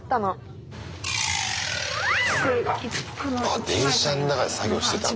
あ電車ん中で作業してたんだ。